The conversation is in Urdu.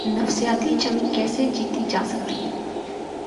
نفسیاتی جنگ کیسے جیتی جا سکتی ہے۔